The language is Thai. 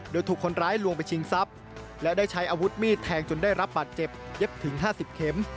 โดยถูกคนร้ายลวงไปชิงทรัพย์และได้ใช้อาวุธมีดแทงจนได้รับบาดเจ็บเย็บถึง๕๐เข็ม